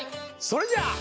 それじゃあ。